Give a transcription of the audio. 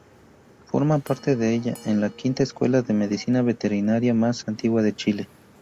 Forma parte de ella la quinta Escuela de Medicina Veterinaria más antigua de Chile.